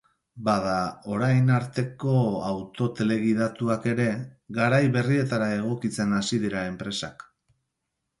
Bada, orain arteko auto telegidatuak ere garai berrietara egokitzen hasi dira enpresak.